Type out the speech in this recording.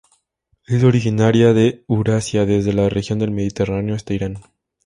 Es originaria de Eurasia desde la región del Mediterráneo hasta Irán.